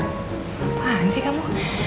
kapan sih kamu